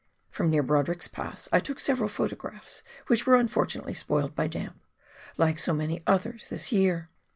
From near Brodrick's Pass I took several photo graphs, which were unfortunately spoilt by damp, like so many others this year.